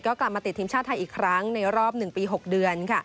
ก็กลับมาติดทีมชาติไทยอีกครั้งในรอบ๑ปี๖เดือน